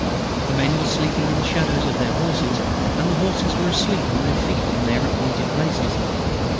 The men were sleeping in the shadows of their horses, and the horses were asleep on their feet in their appointed places.